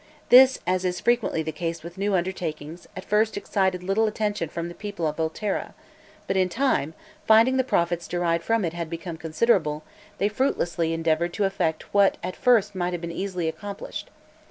This, as is frequently the case with new undertakings, at first excited little attention from the people of Volterra; but in time, finding the profits derived from it had become considerable, they fruitlessly endeavored to effect what at first might have been easily accomplished.